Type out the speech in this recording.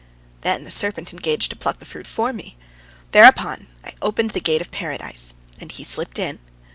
Then the serpent engaged to pluck the fruit for me. Thereupon I opened the gate of Paradise, and he slipped in.